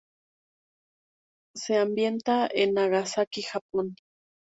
Se ambienta en Nagasaki, Japón.